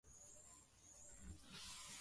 Ukweli kwamba uvumbuzi kama huu bado unafanywa